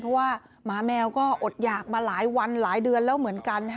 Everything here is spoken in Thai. เพราะว่าหมาแมวก็อดหยากมาหลายวันหลายเดือนแล้วเหมือนกัน